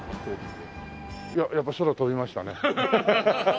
いややっぱ空飛びましたね。